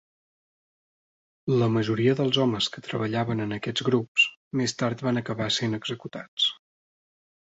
La majoria dels homes que treballaven en aquests grups més tard van acabar essent executats.